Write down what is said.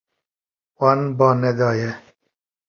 Wan ba nedaye.